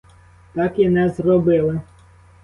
Так і не зробили.